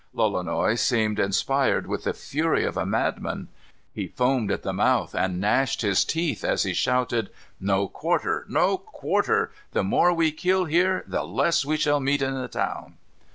Lolonois seemed inspired with the fury of a madman. He foamed at the mouth and gnashed his teeth as he shouted: "No quarter; no quarter! The more we kill here, the less we shall meet in the town."